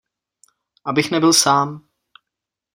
Abych nebyl sám.